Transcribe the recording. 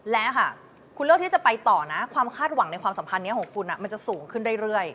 และค่ะคุณเลือกที่จะไปต่อนะความคาดหวังในความสัมพันธ์นี้ของคุณมันจะสูงขึ้นเรื่อย